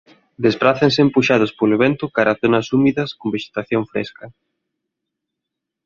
Desprázanse empuxados polo vento cara zonas húmidas con vexetación fresca.